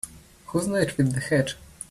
Who's that with the hat?